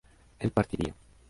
él partiría